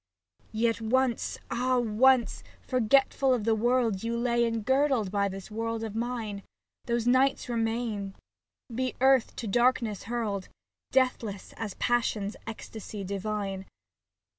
Yet once, ah once ! forgetful of the world, 6i SAPPHO TO PHAON You lay engirdled by this world of mine. Those nights remain, be earthto darkness hurled. Deathless, as passion's ecstasy divine.